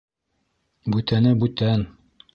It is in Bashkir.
Бүтәне бүтән.